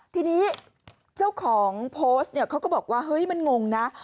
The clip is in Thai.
ทีนี้เจ้าของโพสต์เนี่ยเขาก็บอกว่าเฮ้ยมันงงนะ